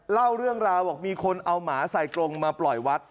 เล่าเรื่องราวบอกมีคนเอาหมาใส่กรงมาปล่อยวัด